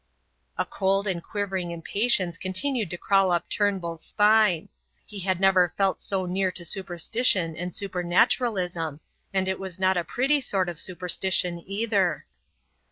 A cold and quivering impatience continued to crawl up Turnbull's spine; he had never felt so near to superstition and supernaturalism, and it was not a pretty sort of superstition either.